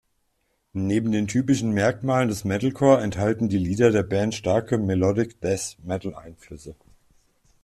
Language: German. Neben den typischen Merkmalen des Metalcore enthalten die Lieder der Band starke Melodic-Death-Metal-Einflüsse.